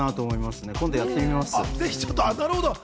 私も今度やってみます。